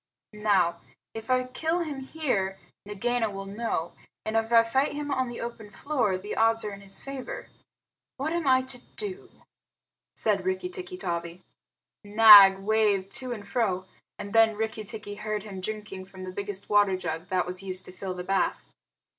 "Now, if I kill him here, Nagaina will know; and if I fight him on the open floor, the odds are in his favor. What am I to do?" said Rikki tikki tavi. Nag waved to and fro, and then Rikki tikki heard him drinking from the biggest water jar that was used to fill the bath.